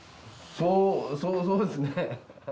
そうそうですね